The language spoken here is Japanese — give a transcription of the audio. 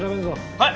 はい！